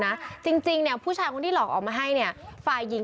จริงจริงเนี่ยผู้ชายคนที่หลอกออกมาให้เนี่ยฝ่ายหญิง